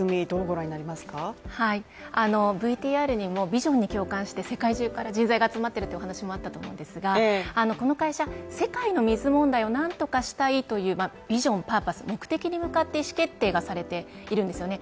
ビジョンに共感して世界中から人材が集まってるってお話もあったと思うんですがこの会社、世界の水問題を何とかしたいというビジョンパーパス、目的に向かって意思決定がされているんですよね